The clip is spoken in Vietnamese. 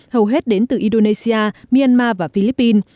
hầu hết đến từ indonesia myanmar và philippines